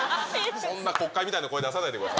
そんな国会みたいな声出さないでください。